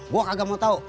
gue kagak mau tau